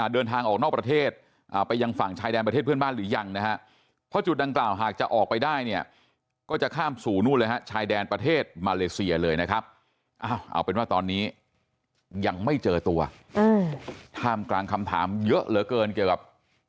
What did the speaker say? เดินทางออกนอกประเทศไปยังฝั่งชายแดนประเทศเพื่อนบ้านหรือยังนะฮะเพราะจุดดังกล่าวหากจะออกไปได้เนี่ยก็จะข้ามสู่ชายแดนประเทศมาเลเซียเลยนะครับ